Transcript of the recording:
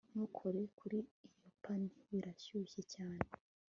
Ntukore kuri iyo pani Birashyushye cyane